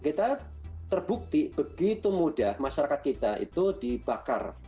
kita terbukti begitu mudah masyarakat kita itu dibakar